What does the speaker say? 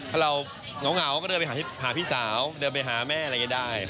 ถ้าเราเหงาก็เดินไปหาพี่สาวเดินไปหาแม่อะไรอย่างนี้ได้